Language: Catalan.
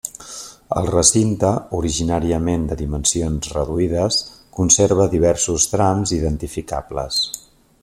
El recinte, originàriament de dimensions reduïdes, conserva diversos trams identificables.